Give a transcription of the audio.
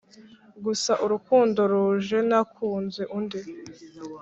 gusa urukundo ruje nakunze undi"